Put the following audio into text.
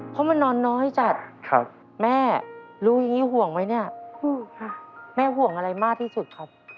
เพราะมันนอนน้อยจัดแม่รู้อย่างนี้ห่วงไหมเนี่ยห่วงค่ะแม่ห่วงอะไรมากที่สุดครับ